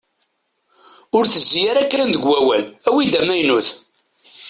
Ur tezzi ara kan deg wawal, awi-d amaynut.